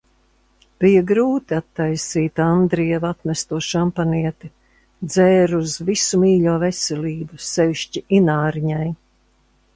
Bija grūti attaisīt Andrieva atnesto šampanieti – dzēru uz visu mīļo veselību, sevišķi Ināriņai.